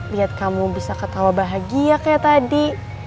lihat kamu bisa ketawa bahagia kayak tadi